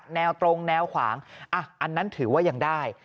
แนวตรงแนวขวางอันนั้นถือว่ายังได้